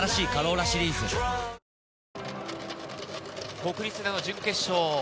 国立の準決勝。